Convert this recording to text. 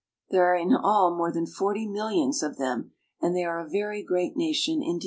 There are in all more than forty millions of them, and they are a very great nation indeed.